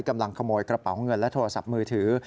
กำลังขโมยกระเป๋าเงินและโทรศัพท์มือถือ